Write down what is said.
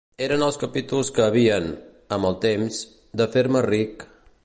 Eren els capítols que havien, amb el temps, de fer-me ric…